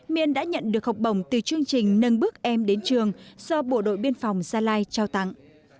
miên đã nhận được học bổng từ chương trình nâng bước em đến trường do bộ đội biên phòng gia lai trao tặng